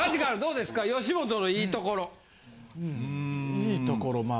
いいところまあ。